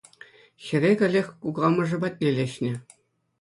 Хӗре каллех кукамӑшӗ патне леҫнӗ.